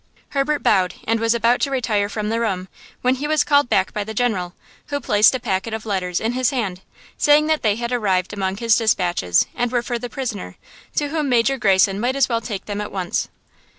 Herbert bowed and was about to retire from the room, when he was called back by the General, who placed a packet of letters in his hand, saying that they had arrived among his despatches, and were for the prisoner, to whom Major Greyson might as well take them at once.